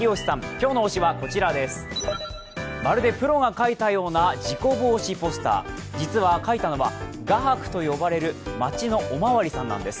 今日の推しはこちらです、まるでプロが描いたような事故防止ポスター、実は描いたのは画伯と呼ばれる町のおまわりさんなんです。